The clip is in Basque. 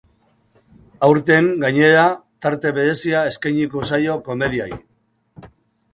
Aurten, gainera, tarte berezia eskainiko zaio komediari.